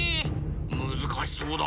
むずかしそうだ。